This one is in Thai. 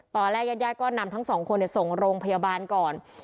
ตอนแรกยัดก็นำทั้ง๒คนเนี่ยส่งโรงพยาบาลก่อน